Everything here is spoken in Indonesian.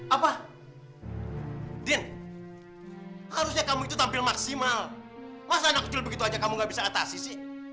apa dean harusnya kamu itu tampil maksimal masa anak kecil begitu aja kamu gak bisa atasi sih